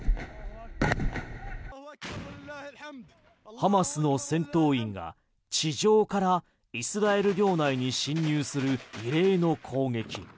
ハマスの戦闘員が地上からイスラエル領内に侵入する異例の攻撃。